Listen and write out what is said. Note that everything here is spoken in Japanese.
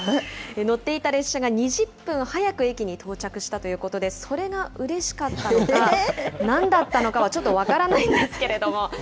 乗っていた列車が２０分早く駅に到着したということで、それがうれしかったのか、なんだったのかはちょっと分からないんですけれども。